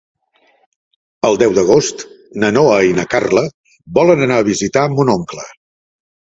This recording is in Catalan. El deu d'agost na Noa i na Carla volen anar a visitar mon oncle.